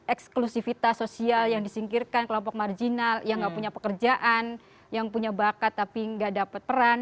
eksklusivitas sosial yang disingkirkan kelompok marginal yang nggak punya pekerjaan yang punya bakat tapi nggak dapat peran